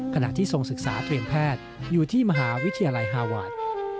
ขณะที่ทรงศึกษาเตรียมแพทย์อยู่ที่มหาวิทยาลัยฮาวาส